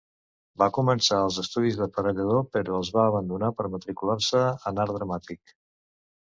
Va començar els estudis d'Aparellador, però els va abandonar per matricular-se en Art Dramàtic.